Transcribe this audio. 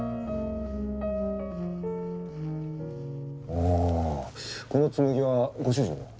はあこの紬はご主人の？